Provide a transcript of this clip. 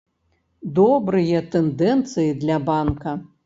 Добрыя тэндэнцыі для банка.